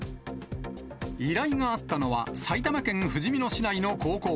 依頼があったのは、埼玉県ふじみ野市内の高校。